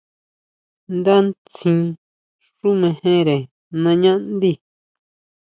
Ndá ntsín xú mejere nañá ndí.